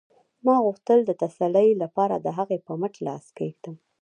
ما غوښتل د تسلۍ لپاره د هغې په مټ لاس کېږدم